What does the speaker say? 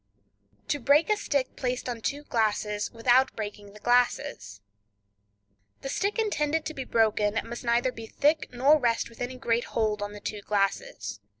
To Break a Stick Placed on Two Glasses Without Breaking the Glasses.—The stick intended to be broken must neither be thick nor rest with any great hold on the two glasses.